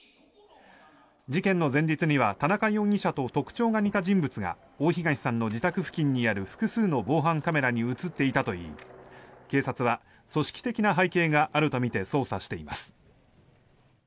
事件の前日には田中容疑者と特徴が似た人物が大東さんの自宅付近にある複数の防犯カメラに映っていたといい警察は組織的な背景があるとみて捜査しています。